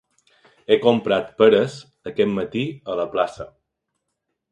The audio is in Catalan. He comprat peres aquest matí a la plaça.